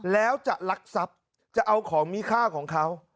แล้วจะลักทรัพย์จะเอาของมีค่าของเขา